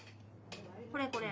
これこれ。